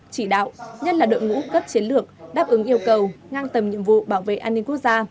chỉ đạo nhất là đội ngũ cấp chiến lược đáp ứng yêu cầu ngang tầm nhiệm vụ bảo vệ an ninh quốc gia